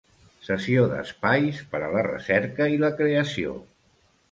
Cessió d'espais per a la recerca i la creació.